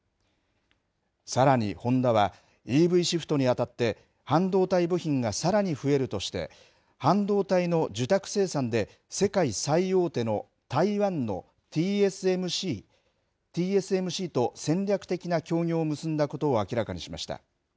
さらにホンダは、ＥＶシフトにあたって、半導体部品がさらに増えるとして、半導体の受託生産で世界最大手の台湾のＴＳＭＣと戦略的な協業を結んだことを明らかにしました。